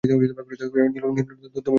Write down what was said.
নীলু, তুমি আরাম করে বাস।